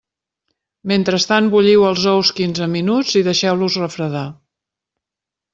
Mentrestant bulliu els ous quinze minuts i deixeu-los refredar.